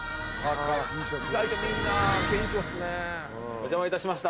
お邪魔いたしました。